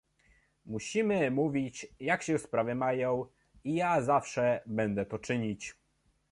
Musimy mówić, jak się sprawy mają, i ja zawsze będę to czynić